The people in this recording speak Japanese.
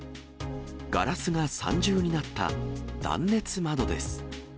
ガラスが３重になった断熱窓です。